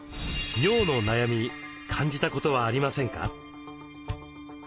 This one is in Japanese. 尿の悩み感じたことはありませんか？